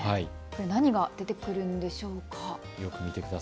何が出てくるんでしょうか。